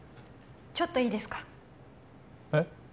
ちょっといいですかえっ？